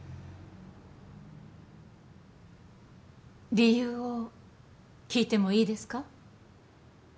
理由を聞いてもいいですか？